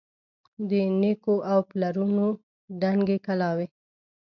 د نیکو او د پلرو دنګي کلاوي